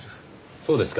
そうですか。